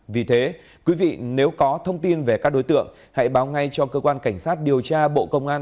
vì thế quý vị nếu có thông tin về các đối tượng hãy báo ngay cho cơ quan cảnh sát điều tra bộ công an